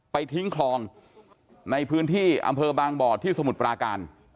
ทิ้งคลองในพื้นที่อำเภอบางบ่อที่สมุทรปราการ